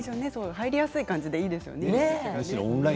入りやすいっていいですよね。